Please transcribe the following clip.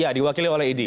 ya diwakili oleh idi